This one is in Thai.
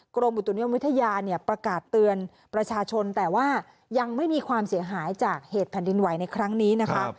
กรมอุตุนิยมวิทยาเนี่ยประกาศเตือนประชาชนแต่ว่ายังไม่มีความเสียหายจากเหตุแผ่นดินไหวในครั้งนี้นะคะ